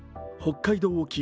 北海道沖